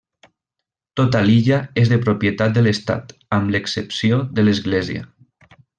Tota l'illa és de propietat de l'Estat, amb l'excepció de l'església.